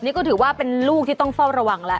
นี่ก็ถือว่าเป็นลูกที่ต้องเฝ้าระวังแล้ว